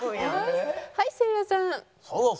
はいせいやさん。